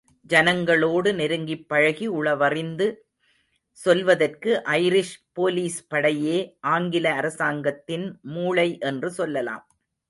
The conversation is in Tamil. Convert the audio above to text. ஜனங்களோடு நெருங்கிப் பழகி உளவறிந்து சொல்வதற்கு ஐரிஷ் போலிஸ்படையே ஆங்கில அரசாங்கத்தின் மூளை என்று சொல்லலாம்.